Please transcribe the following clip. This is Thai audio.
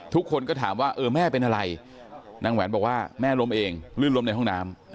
ทุกคนก็ถามว่าเออแม่เป็นอะไรนางแหวนบอกว่าแม่ล้มเองลื่นล้มในห้องน้ำ